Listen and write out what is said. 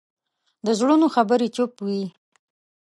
د زړونو خبرې چوپ وي